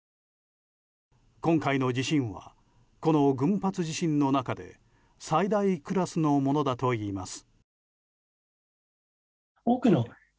今回の地震はこの群発地震の中で最大クラスのものだといいます。